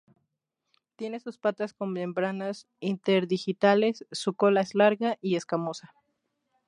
Tiene sus patas con membranas interdigitales; su cola es larga y escamosa.